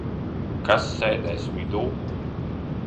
Kas sēdēs vidū?